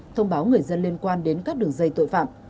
thông báo người dân liên quan đến các đường dây tội phạm